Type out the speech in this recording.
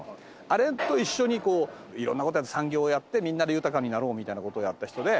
あれと一緒に色んな事産業をやってみんなで豊かになろうみたいな事をやった人で。